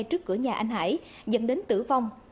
trước cửa nhà anh hải dẫn đến tử vong